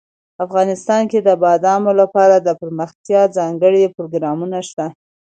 افغانستان کې د بادامو لپاره دپرمختیا ځانګړي پروګرامونه شته.